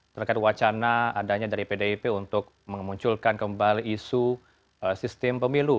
terkait wacana adanya dari pdip untuk memunculkan kembali isu sistem pemilu